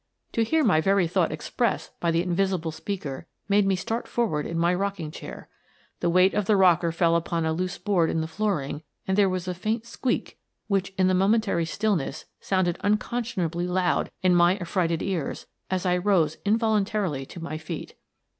To hear my very thought expressed by the invis ible speaker made me start forward in my rocking chair; the weight of the rocker fell upon a loose board in the flooring, and there was a faint squeak which, in the momentary stillness, sounded uncon scionably loud in my affrighted ears as I rose invol untarily to my feet.